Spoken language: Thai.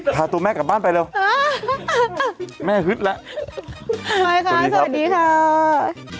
พาตัวแม่กลับบ้านไปเร็วแม่ฮึดแล้วสวัสดีครับสวัสดีครับสวัสดีครับ